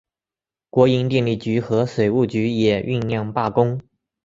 国营电力局和水务局也酝酿罢工。